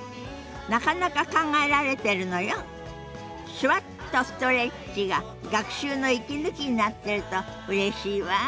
「手話っとストレッチ」が学習の息抜きになってるとうれしいわあ。